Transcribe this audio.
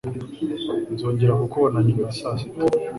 Nzongera kukubona nyuma ya saa sita.